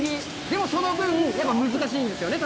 でも、その分難しいんですよね。